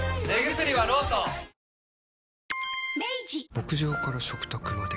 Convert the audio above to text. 牧場から食卓まで。